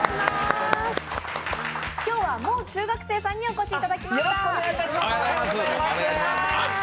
今日はもう中学生さんにお越しいただきました。